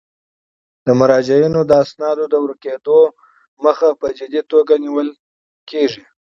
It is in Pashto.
د مراجعینو د اسنادو د ورکیدو مخه په جدي توګه نیول کیږي.